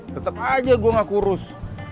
tetep aja gue nggak kurus